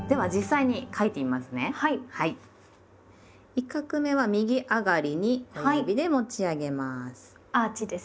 １画目は右上がりに親指で持ち上げます。